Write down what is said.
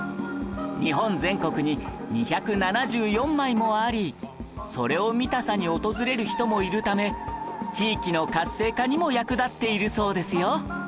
日本全国に２７４枚もありそれを見たさに訪れる人もいるため地域の活性化にも役立っているそうですよ